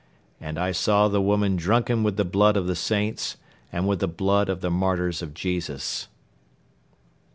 And I saw the woman drunken with the blood of the saints, and with the blood of the martyrs of Jesus.